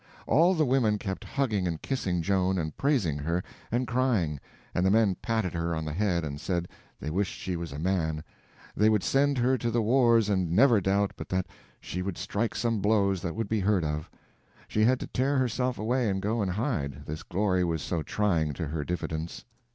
All the women kept hugging and kissing Joan, and praising her, and crying, and the men patted her on the head and said they wished she was a man, they would send her to the wars and never doubt but that she would strike some blows that would be heard of. She had to tear herself away and go and hide, this glory was so trying to her diffidence.